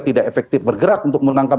tidak efektif bergerak untuk menangkap